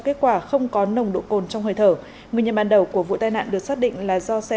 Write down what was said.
kết quả không có nồng độ cồn trong hơi thở nguyên nhân ban đầu của vụ tai nạn được xác định là do xe